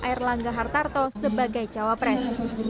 erlangga hartarto sebagai cawapres